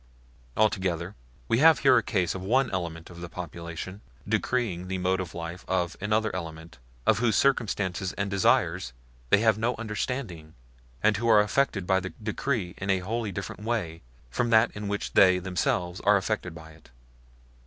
Altogether, we have here a case of one element of the population decreeing the mode of life of another element of whose circumstances and desires they have no understanding, and who are affected by the decree in a wholly different way from that in which they themselves are affected by it.